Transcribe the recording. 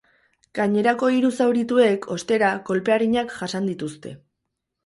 Gainerako hiru zaurituek, ostera, kolpe arinak jasan dituzte.